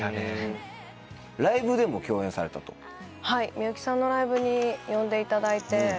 みゆきさんのライブに呼んでいただいて。